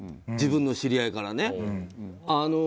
自分の知り合いからね。